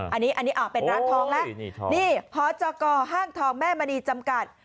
อันนี้อันนี้อ่ะเป็นร้านทองแล้วนี่ทองนี่พอเจาะก่อห้างทองแม่มณีจำกัด